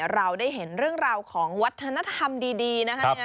เราได้เห็นเรื่องราวของวัฒนธรรมดีนะครับ